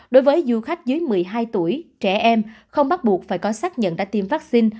đối với du khách dưới một mươi hai tuổi trẻ em không bắt buộc phải có xác nhận đã tiêm vaccine